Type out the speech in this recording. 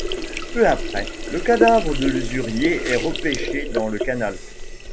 Peu après, le cadavre de l’usurier est repêché dans le canal.